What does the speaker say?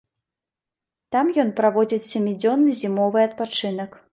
Там ён праводзіць сямідзённы зімовы адпачынак.